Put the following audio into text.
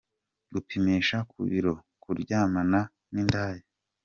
Gupimisha ku biro : kuryamana n’indaya.